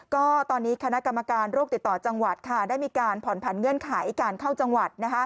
ก็ตอนนี้คณะกรรมการโรคติดต่อจังหวัดได้มีการผ่อนผันเงื่อนไขการเข้าจังหวัด